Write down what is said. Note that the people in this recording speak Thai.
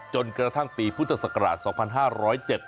จนกระทั่งปีพุทธศักราช๒๕๐๗